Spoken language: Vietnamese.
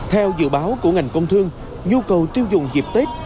theo dự báo của ngành công thương nhu cầu tiêu dùng dịp tết